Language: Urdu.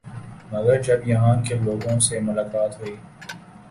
مگر جب یہاں کے لوگوں سے ملاقات ہوئی